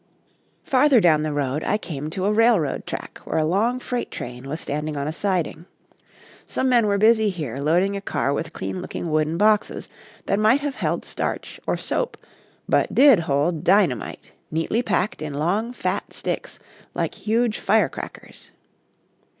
Farther down the road I came to a railroad track where a long freight train was standing on a siding. Some men were busy here loading a car with clean looking wooden boxes that might have held starch or soap, but did hold dynamite neatly packed in long, fat sticks like huge fire crackers.